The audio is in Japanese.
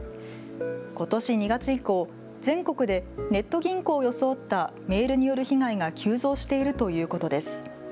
ことし２月以降、全国でネット銀行を装ったメールによる被害が急増しているということです。